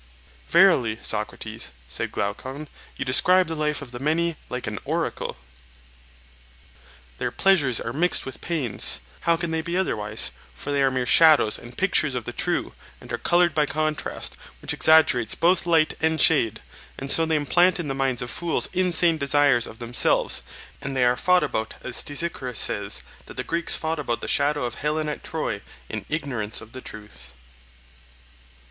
Verily, Socrates, said Glaucon, you describe the life of the many like an oracle. Their pleasures are mixed with pains—how can they be otherwise? For they are mere shadows and pictures of the true, and are coloured by contrast, which exaggerates both light and shade, and so they implant in the minds of fools insane desires of themselves; and they are fought about as Stesichorus says that the Greeks fought about the shadow of Helen at Troy in ignorance of the truth.